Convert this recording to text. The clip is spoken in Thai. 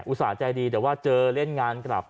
ส่าห์ใจดีแต่ว่าเจอเล่นงานกลับ